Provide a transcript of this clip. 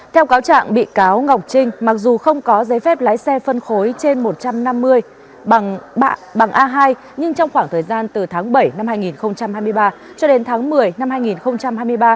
theo cáo trạng bị cáo ngọc trinh mặc dù không có giấy phép lái xe phân khối trên một trăm năm mươi bằng a hai nhưng trong khoảng thời gian từ tháng bảy năm hai nghìn hai mươi ba cho đến tháng một mươi năm hai nghìn hai mươi ba